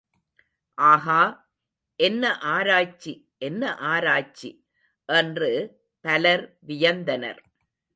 ஆகா, என்ன ஆராய்ச்சி என்ன ஆராய்ச்சி, என்று பலர் வியந்தனர்.